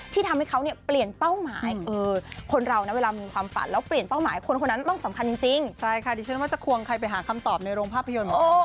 ที่ทำให้เขาเปลี่ยนเป้าหมาย